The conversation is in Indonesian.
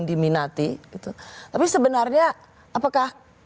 udah semuanya back up enam